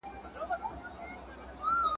د رندانو له مستۍ به تیارې تښتي ..